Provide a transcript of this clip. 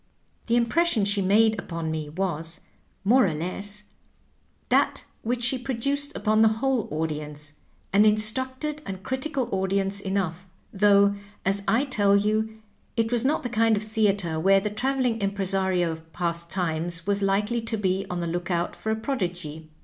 ^^The impression she made npon me was, more or less, that which she produced upon the whole audience — an instructed and critical audience enough, though, as I tell you, it was not the kind of theatre where the travel ing impresario of past times was likely to be on the lookout for a prodigy.